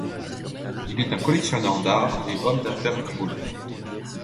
Il est un collectionneur d'art et homme d'affaires congolais.